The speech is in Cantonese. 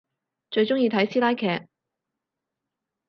最中意睇師奶劇